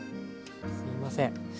すいません。